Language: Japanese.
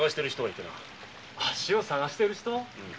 あっしを捜している人？